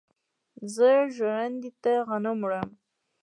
زه ژرندې ته غنم وړم.